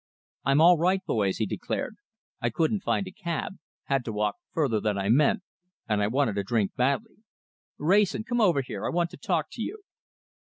"I'm all right, boys," he declared. "I couldn't find a cab had to walk further than I meant, and I wanted a drink badly. Wrayson, come over here. I want to talk to you."